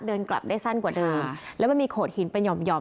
เดินกลับได้สั้นกว่าเดิมแล้วมันมีโขดหินเป็นห่อม